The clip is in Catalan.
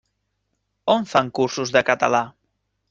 On fan cursos de català?